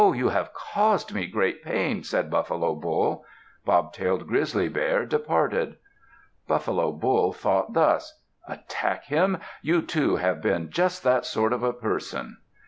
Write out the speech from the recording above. you have caused me great pain," said Buffalo Bull. Bobtailed Grizzly Bear departed. Buffalo Bull thought thus: "Attack him! You too have been just that sort of a person."